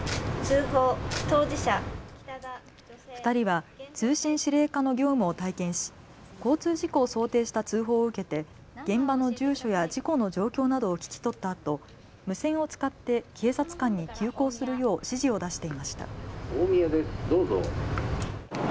２人は通信指令課の業務を体験し交通事故を想定した通報を受けて現場の住所や事故の状況などを聞き取ったあと、無線を使って警察官に急行するよう指示を出していました。